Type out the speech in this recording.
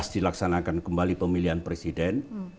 dilaksanakan kembali pemilihan presiden